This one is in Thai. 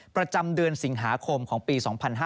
ประจำเดือนสิงหาคมของปี๒๕๕๙